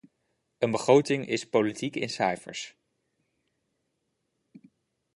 Een begroting is politiek in cijfers.